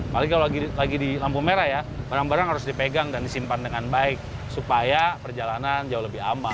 lagi kalau lagi di lampu merah ya barang barang harus di pegang dan di simpan dengan baik supaya perjalanan jauh lebih aman